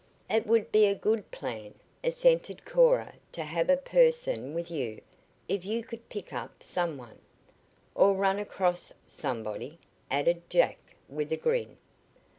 "It would be a good plan," assented Cora, "to have a person with you. If you could pick up some one " "Or run across somebody," added Jack with a grin.